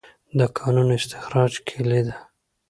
د کانونو استخراج کلي ده؟